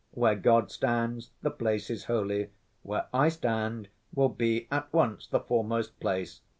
Where God stands, the place is holy. Where I stand will be at once the foremost place